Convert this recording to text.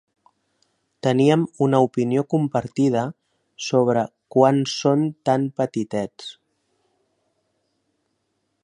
Teníem una opinió compartida sobre quan són tan petitets.